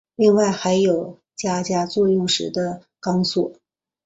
另外还有加装作业用的钢索。